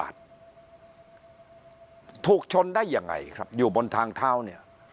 ถูกชนได้ยังไงครับอยู่บนทางเท้าเนี่ย